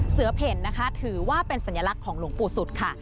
เสือเพ็ญนะคะถือว่าเป็นสัญลักษณ์ของหลงปูสุธิ์ค่ะ